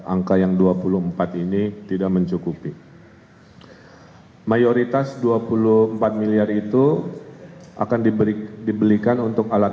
angka yang dua puluh empat ini tidak mencukupi mayoritas dua puluh empat miliar itu akan diberi dibelikan untuk alat